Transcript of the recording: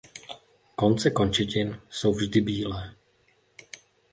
Konce končetin jsou vždy bílé.